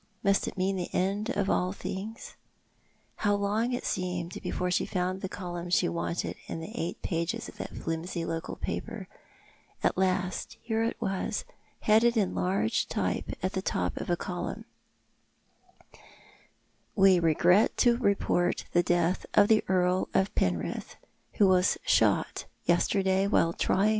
Must it mean the end of all things? How long it seemed before she found the column she wanted The Furies on the Hearth. 305 in the eight pages of that flimsy local paper! At last, here it was, headed in large type, at the top of a column —" We regret to report the death of the Earl of Penrith, who was shot yesterday evening while trying t?